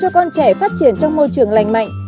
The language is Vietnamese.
hãy tạo cho con trẻ phát triển trong môi trường lành mạnh